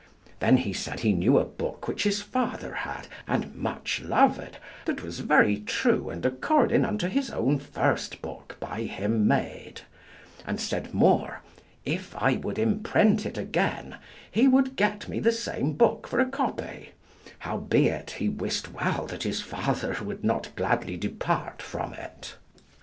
Then he said he knew a book which his father had and much loved, that was very true and according unto his own first book by him made; and said more, if I would imprint it again he would get me the same book for a copy, howbeit he wist well that his father would not gladly depart from it.